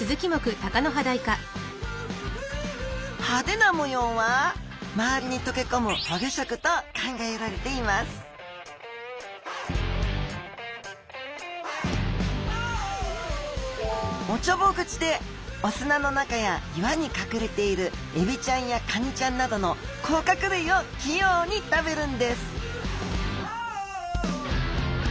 派手な模様は周りに溶け込む保護色と考えられていますおちょぼ口でお砂の中や岩に隠れているエビちゃんやカニちゃんなどの甲殻類を器用に食べるんです